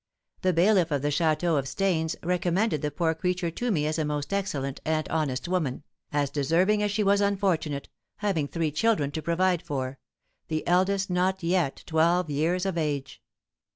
The bailiff of the château at Stains recommended the poor creature to me as a most excellent and honest woman, as deserving as she was unfortunate, having three children to provide for, the eldest not yet twelve years of age.